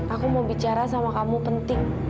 aku mau bicara sama kamu penting